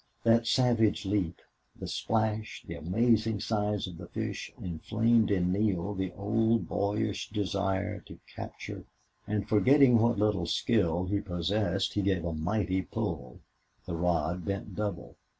That savage leap, the splash, the amazing size of the fish, inflamed in Neale the old boyish desire to capture, and, forgetting what little skill he possessed, he gave a mighty pull. The rod bent double.